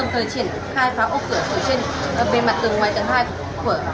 vâng thưa quý vị và các bạn các lực lượng trận cháy